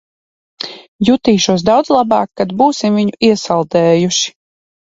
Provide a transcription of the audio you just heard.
Jutīšos daudz labāk, kad būsim viņu iesaldējuši.